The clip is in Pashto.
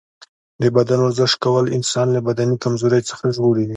د بدن ورزش کول انسان له بدني کمزورۍ څخه ژغوري.